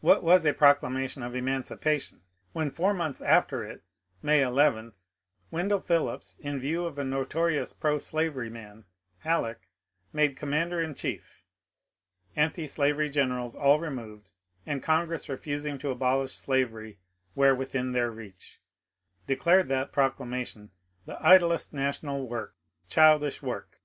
What was a Proclamation of Emancipation when four months after it (May 11) Wendell Phillips — in view of a notorious pro slavery man (Halleck) made oonmiander in chief, antislavery generals all removed, and Congress refusing to abolish slavery where within their reach — declared that proclamation ^^ the idlest national work, childish work?"